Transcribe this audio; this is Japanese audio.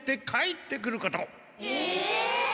え！？